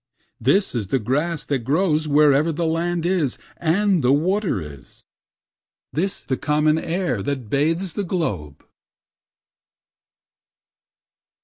This is the grass that grows wherever the land is and the water is, This the common air that bathes the globe.